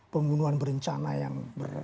pembunuhan berencana yang